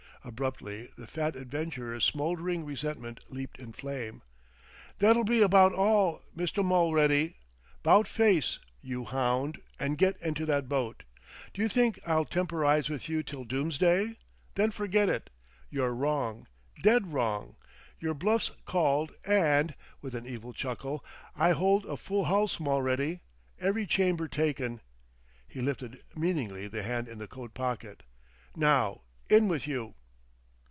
Abruptly the fat adventurer's smoldering resentment leaped in flame. "That'll be about all, Mr. Mulready! 'Bout face, you hound, and get into that boat! D'you think I'll temporize with you till Doomsday? Then forget it. You're wrong, dead wrong. Your bluff's called, and" with an evil chuckle "I hold a full house, Mulready, every chamber taken." He lifted meaningly the hand in the coat pocket. "Now, in with you."